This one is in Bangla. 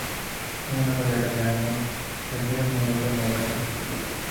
আমি মনে করি এটা ল্যান্ডন থেকে মূলত নোরার সাথে চলে গেছে।